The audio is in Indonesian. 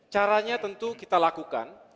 caranya tentu kita lakukan